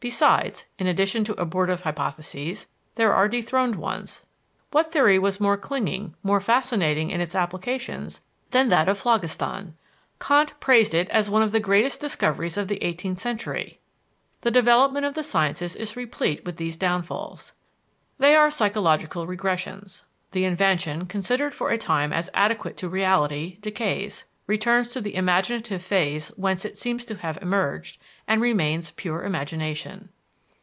Besides, in addition to abortive hypotheses, there are dethroned ones. What theory was more clinging, more fascinating in its applications, than that of phlogiston? Kant praised it as one of the greatest discoveries of the eighteenth century. The development of the sciences is replete with these downfalls. They are psychological regressions: the invention, considered for a time as adequate to reality, decays, returns to the imaginative phase whence it seems to have emerged, and remains pure imagination.